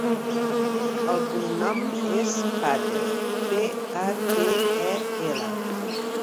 El cognom és Patel: pe, a, te, e, ela.